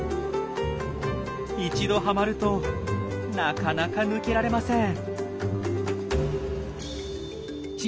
一度はまるとなかなか抜けられません。